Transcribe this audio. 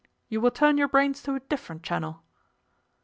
You will turn your brains to a different channel.